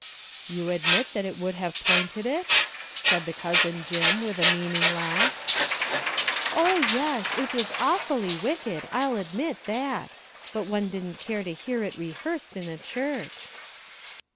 "You admit that it would have pointed it?" said the cousin Jim, with a meaning laugh. "Oh, yes; it was awfully wicked; I'll admit that. But one didn't care to hear it rehearsed in a church."